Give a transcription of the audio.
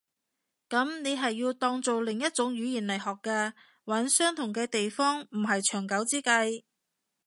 噉你係要當做另一種語言來學嘅。揾相同嘅地方唔係長久之計